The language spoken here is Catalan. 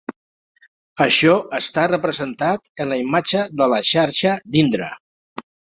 Això està representat en la imatge de la xarxa d'Indra.